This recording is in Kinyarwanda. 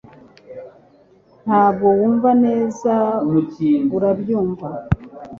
Ntabwo wumva neza urabyumva